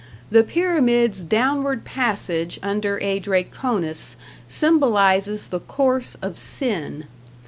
The pyramid's downward passage under "a Draconis" symbolizes the course of Sin.